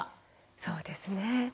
そうですね。